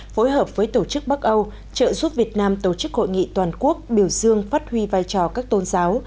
phối hợp với tổ chức bắc âu trợ giúp việt nam tổ chức hội nghị toàn quốc biểu dương phát huy vai trò các tôn giáo